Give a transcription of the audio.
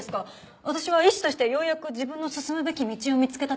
私は医師としてようやく自分の進むべき道を見つけたところで。